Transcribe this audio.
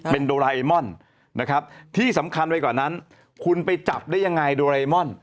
เป็นโดราเอมอนนะครับที่สำคัญไปกว่านั้นคุณไปจับได้ยังไงโดเรมอน